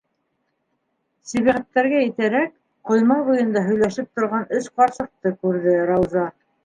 Сибәғәттәргә етәрәк, ҡойма буйында һөйләшеп торған өс ҡарсыҡты күрҙе Рауза.